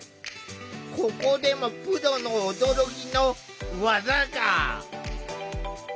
ここでもプロの驚きの技が。